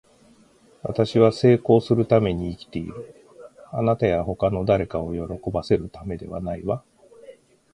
私は成功するために生きている。あなたや他の誰かを喜ばせるためではないわ。